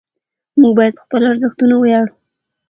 موږ باید په خپلو ارزښتونو ویاړو.